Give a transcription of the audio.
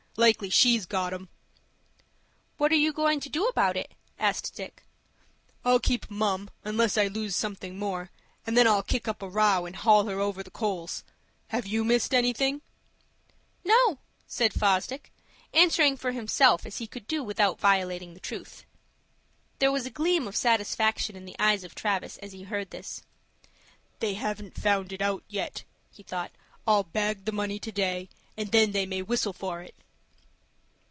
Likely she's got 'em." "What are you goin' to do about it?" said Dick. "I'll keep mum unless I lose something more, and then I'll kick up a row, and haul her over the coals. Have you missed anything?" "No," said Fosdick, answering for himself, as he could do without violating the truth. There was a gleam of satisfaction in the eyes of Travis, as he heard this. "They haven't found it out yet," he thought. "I'll bag the money to day, and then they may whistle for it."